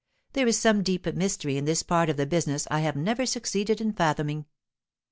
There is some deep mystery in this part of the business I have never succeeded in fathoming.